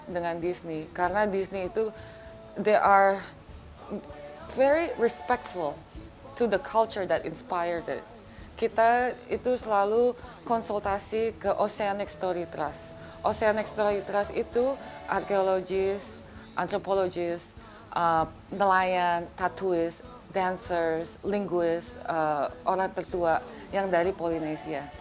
dan ekstrahiteras itu arkeologis antropologis nelayan tattooist dancer linguist orang tertua yang dari polinesia